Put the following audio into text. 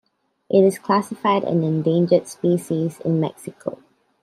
It is classified an endangered species in Mexico.